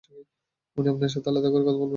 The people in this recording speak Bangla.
উনি আপনার সাথে আলাদা করে কথা বলবেন!